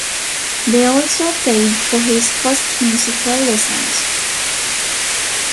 They also paid for his first musical lessons.